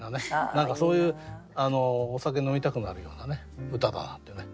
何かそういうお酒飲みたくなるような歌だよね。